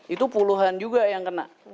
itu puluhan juga yang kena